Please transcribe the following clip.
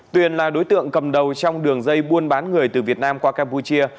tuyền là đối tượng cầm đầu trong đường dây buôn bán người từ việt nam qua campuchia